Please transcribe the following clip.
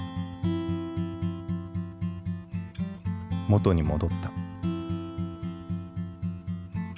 元に戻った。